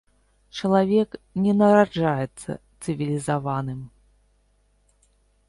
Чалавек не нараджаецца цывілізаваным.